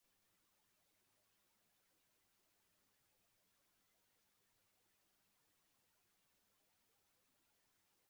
Umugabo wambaye scrubs arimo kubaga